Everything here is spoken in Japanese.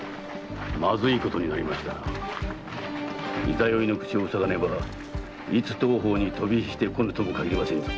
十六夜の口も塞がねばいつ当方に飛び火してこぬとも限りませんぞ。